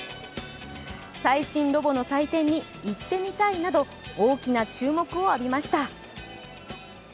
最新ロボの祭典に「行ってみたい！」など、大きな注目を浴びました。